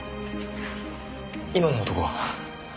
今の男は？